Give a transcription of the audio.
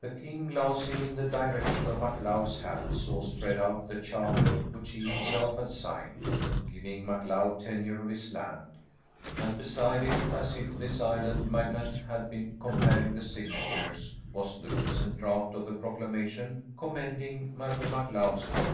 The king glancing in the direction of MacLeod's hands saw spread out the charter which he himself had signed, giving MacLeod tenure of his land, and beside it, as if this island magnate had been comparing the signatures was the recent draft of the proclamation commending Malcolm MacLeod's boat.